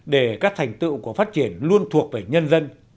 để các thành tựu của phát triển luôn thuộc về nhân dân